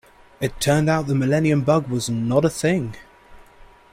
It turned out the millennium bug was not a thing.